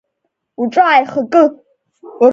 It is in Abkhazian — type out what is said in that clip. Уҿы ааихакы…